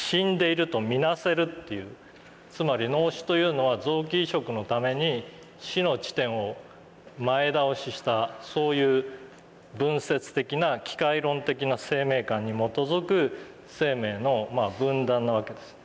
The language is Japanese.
つまり脳死というのは臓器移植のために死の地点を前倒ししたそういう分節的な機械論的な生命観に基づく生命の分断なわけです。